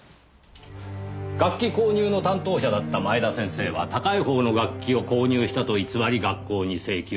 楽器購入の担当者だった前田先生は高い方の楽器を購入したと偽り学校に請求。